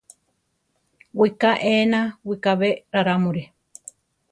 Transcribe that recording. Wiká éena, wikábe rarámuri.